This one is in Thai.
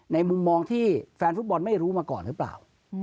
มุมมองที่แฟนฟุตบอลไม่รู้มาก่อนหรือเปล่า